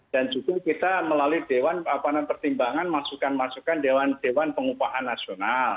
dan juga kita melalui dewan pertimbangan masukan masukan dewan pengupahan nasional